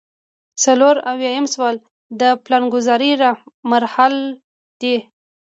څلور اویایم سوال د پلانګذارۍ مراحل دي.